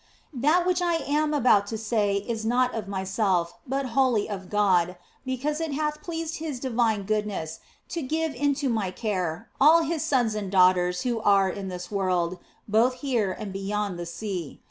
" That which I am about to say is not of myself, but wholly of God, because it hath pleased His divine good ness to give into my care all His sons and daughters who are in this world, both here and beyond the sea.